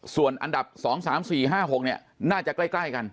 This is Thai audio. ส่วนอันดับ๒๓๔๕๖น่าจะใกล้กัน